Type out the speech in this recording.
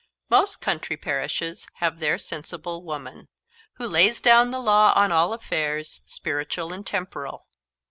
Most country parishes have their sensible woman, who lays down the law on all affairs, spiritual and temporal.